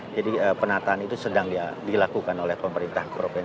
jadi penataan itu sedang dilakukan oleh pemerintah provinsi